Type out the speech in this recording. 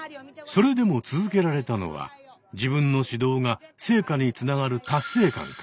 それでも続けられたのは自分の指導が成果につながる達成感から。